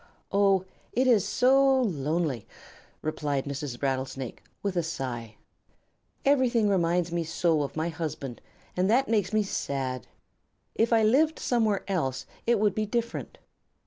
"Oh, it is so lonely," replied Mrs. Rattlesnake, with a sigh. "Everything reminds me so of my husband, and that makes me sad. If I lived somewhere else it would be different."